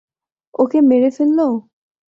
ওকে মেরে ফেললো!